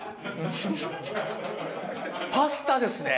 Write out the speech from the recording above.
パスタですね。